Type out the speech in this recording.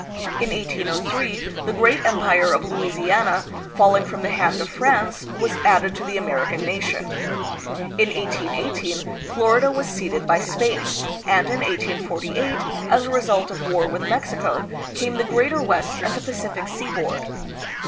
In 1803, the great empire of Louisiana, falling from the hand of France, was added to the American nation. In 1818, Florida was ceded by Spain, and in 1848, as a result of war with Mexico, came the Greater West and the Pacific seaboard.